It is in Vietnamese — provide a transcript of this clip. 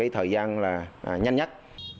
thời gian là nhanh nhất